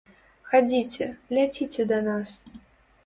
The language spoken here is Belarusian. Хадзіце, ляціце да нас.